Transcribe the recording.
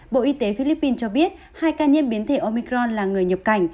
bộ y tế philippines cho biết hai ca nhiễm biến thể omicron là người nhập cảnh